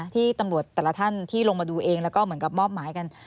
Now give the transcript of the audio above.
ที่ตำรวจแต่ละท่านที่ลงมาดูเองแล้วก็เหมือนกับมอบหมายกัน